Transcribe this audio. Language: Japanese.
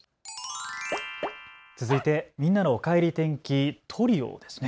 続いてみんなのおかえり天気、トリオですね。